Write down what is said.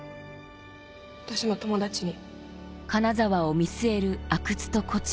私の友達に。